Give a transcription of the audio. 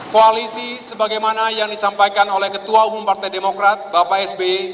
koalisi sebagaimana yang disampaikan oleh ketua umum partai demokrat bapak sbe